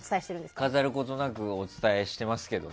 飾ることなくお伝えしてますけどね。